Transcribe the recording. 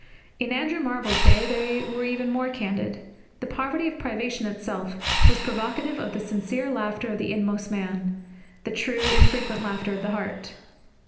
In Andrew Marvell's day they were even more candid. The poverty of privation itself was provocative of the sincere laughter of the inmost man, the true, infrequent laughter of the heart.